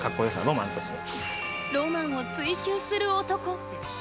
ロマンとして。